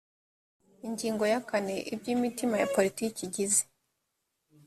ingingo ya kane ibyo imitwe ya politiki igize